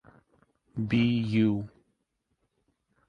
Be You.